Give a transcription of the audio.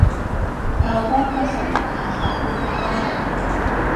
เราก็ประสบปัญหาขาดทุนได้